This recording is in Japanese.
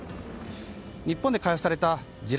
日本で開発された地雷